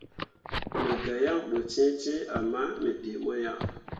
Me gah yaŋ ɓo cẽecẽe ama me ɗii mo ah.